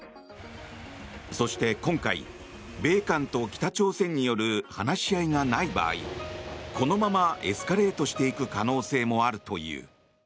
そして今回、米韓と北朝鮮による話し合いがない場合このままエスカレートしていく可能性もあるという。